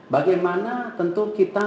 bagaimana tentu kita